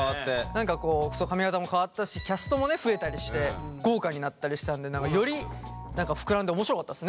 何かこうそう髪形も変わったしキャストも増えたりして豪華になったりしたのでより膨らんで面白かったですね